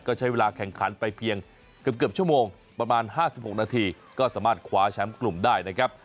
ก็ใช้เวลาแข่งขันไปเพียงเกือบชั่วโมงประมาณ๕๖นาทีก็สามารถคว้าแชมป์กลุ่มได้นะครับ